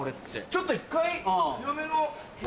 ちょっと一回強めの。